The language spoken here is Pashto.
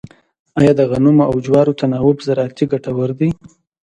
آیا د غنمو او جوارو تناوب زراعتي ګټور دی؟